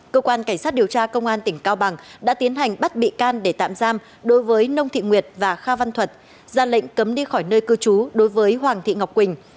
cơ quan cảnh sát điều tra công an tỉnh cao bằng đã tiến hành bắt bị can để tạm giam đối với nông thị nguyệt và kha văn thuật ra lệnh cấm đi khỏi nơi cư trú đối với hoàng thị ngọc quỳnh